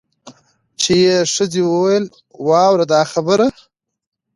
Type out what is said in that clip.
چي یې ښځي ویل واوره دا خبره